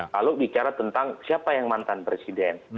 kalau bicara tentang siapa yang mantan presiden